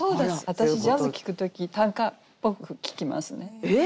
私ジャズ聴く時短歌っぽく聴きますね。